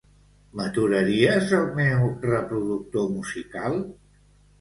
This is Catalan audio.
M'aturaries el meu reproductor musical?